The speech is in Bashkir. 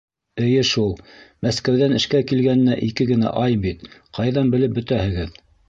Эйе шул, Мәскәүҙән эшкә килгәненә ике генә ай бит, ҡайҙан белеп бөтәһегеҙ...